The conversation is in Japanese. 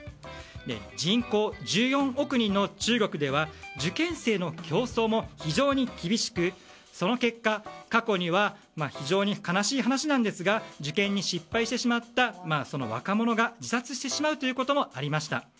人口１４億人の中国では受験生の競争も非常に厳しく、その結果過去には非常に悲しい話なんですが受験に失敗してしまった若者が自殺してしまうということもありました。